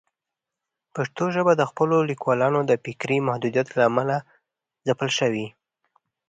پښتو ژبه د خپلو لیکوالانو د فکري محدودیت له امله ځپل شوې.